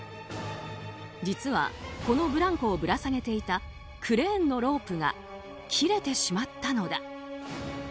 実はこのブランコをぶら下げていたクレーンのロープが切れてしまったのだ。